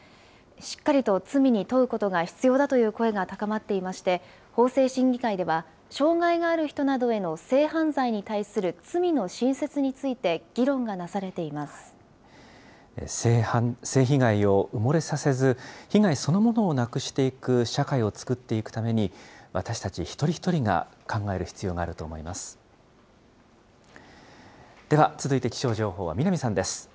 しっかりと罪に問うことが必要だという声が高まっていまして、法制審議会では、障害がある人などへの性犯罪に対する罪の新設について議論がなさ性被害を埋もれさせず、被害そのものをなくしていく社会を作っていくために、私たち一人一人が考える必要があると思います。